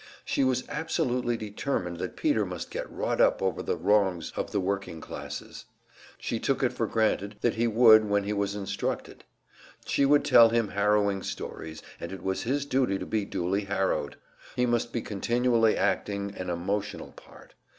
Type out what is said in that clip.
She was absolutely determined that Peter must get wrought up over the wrongs of the working classes. She took it for granted that he would, when he was instructed. She would tell him harrowing stories, and it was his duty to be duly harrowed; he must be continually acting an emotional part.